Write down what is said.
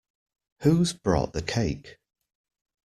Who's brought the cake?